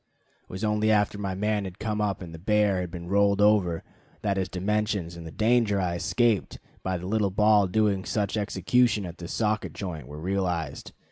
It was only after my man had come up and the bear had been rolled over that his dimensions and the danger I escaped by the little ball doing such execution at the socket joint were realized.